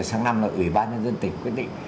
tháng năm là ủy ban nhân dân tỉnh quyết định